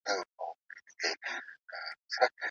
د انټرنیټ موجودیت د موقعیت د محدودیت احساس کموي.